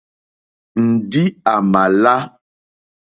Ndí à mà lá.